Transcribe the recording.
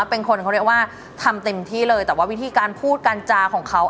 เป็นคนเขาเรียกว่าทำเต็มที่เลยแต่ว่าวิธีการพูดการจาของเขา